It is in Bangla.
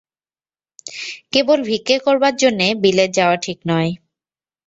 কেবল ভিক্ষে করবার জন্যে বিলেত যাওয়া ঠিক নয়।